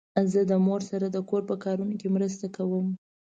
زه د مور سره د کور په کارونو کې مرسته کوم.